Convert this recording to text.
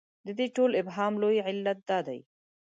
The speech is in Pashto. د دې ټول ابهام لوی علت دا دی.